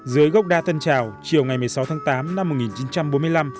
dưới gốc đa tân trào chiều ngày một mươi sáu tháng tám năm một nghìn chín trăm bốn mươi năm